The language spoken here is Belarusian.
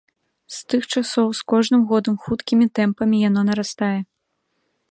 З тых часоў з кожным годам хуткімі тэмпамі яно нарастае.